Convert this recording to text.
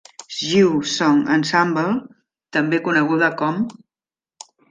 Zchiw Song Ensemble, també coneguda com